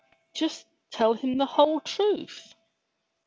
'' *7ust tell him the whole truth."